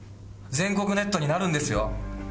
全国ネットになるんですよ？